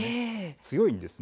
強いんです。